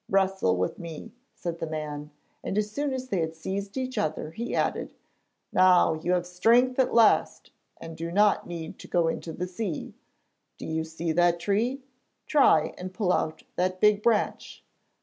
'Wrestle with me,' said the man, and as soon as they had seized each other, he added: 'Now you have strength at last and do not need to go into the sea. Do you see that tree? Try and pull out that big branch.'